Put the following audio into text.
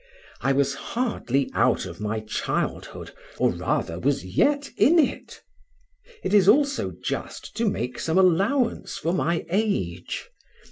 I was hardly out of my childhood, or rather, was yet in it. It is also just to make some allowance for my age.